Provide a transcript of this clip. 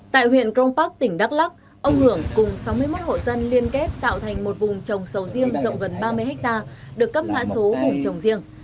tại huyện cronpark tỉnh đắk lắc ông hưởng cùng sáu mươi một hộ dân liên kết tạo thành một vùng trồng sầu riêng rộng gần ba mươi hectare được cấp mã số vùng trồng riêng